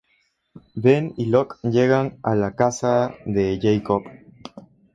Ben y Locke llegan la "casa" de Jacob.